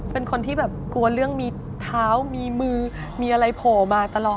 เป็นคนที่แบบกลัวเรื่องมีเท้ามีมือมีอะไรโผล่มาตลอด